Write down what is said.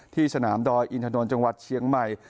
ที่สนามดอยอินทนนท์จังหวัดเชียงใหม่